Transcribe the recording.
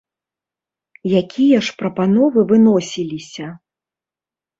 Якія ж прапановы выносіліся?